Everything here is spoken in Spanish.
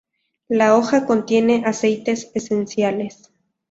La hoja contiene aceites esenciales.